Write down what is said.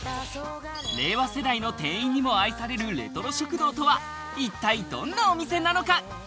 令和世代の店員にも愛されるレトロ食堂とは一体どんなお店なのか？